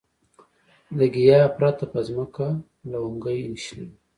د ګیاه پرته په ځمکه لونګۍ شنه وه.